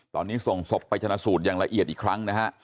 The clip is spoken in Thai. ตอนนี้ส่งศพไปชนะสูตรอย่างละเอียดอีกครั้งนะฮะ